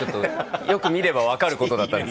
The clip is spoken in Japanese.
よく見れば分かることだったんですけど。